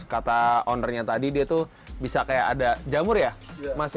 kata pemiliknya tadi dia tuh bisa seperti ada jamur ya mas ya